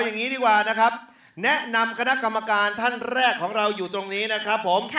แนะนำคณะกรรมการท่านแรกของเราอยู่ตรงนี้นะครับผม